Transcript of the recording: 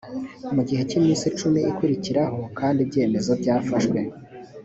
mu gihe cy’iminsi icumi ikurikiraho kandi ibyemezo byafashwe